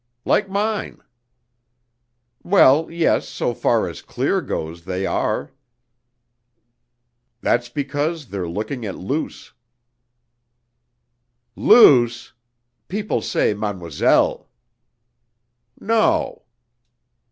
"Like mine." "Well, yes, so far as clear goes they are." "That's because they're looking at Luce." "Luce?... People say 'Mademoiselle.'" "No."